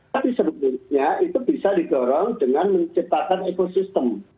tapi sebetulnya itu bisa didorong dengan menciptakan ekosistem